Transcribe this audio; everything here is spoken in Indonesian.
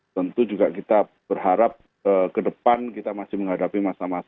tentu juga kita berharap ke depan kita masih menghadapi masa masa